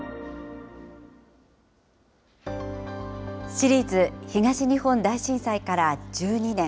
シリーズ東日本大震災から１２年。